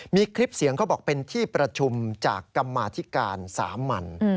มีคลิปเสียงเขาบอกเป็นที่ประชุมจากกรรมาธิการสามัญ